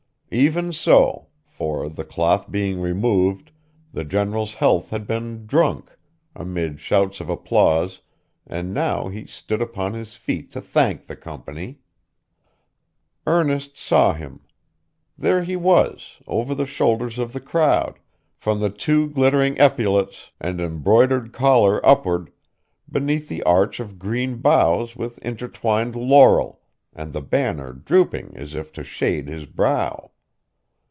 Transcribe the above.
Even so; for, the cloth being removed, the general's health had been drunk, amid shouts of applause, and he now stood upon his feet to thank the company. Ernest saw him. There he was, over the shoulders of the crowd, from the two glittering epaulets and embroidered collar upward, beneath the arch of green boughs with intertwined laurel, and the banner drooping as if to shade his brow!